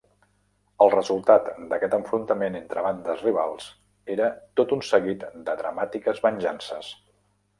El resultat d'aquest enfrontament entre bandes rivals era tot un seguit de dramàtiques venjances.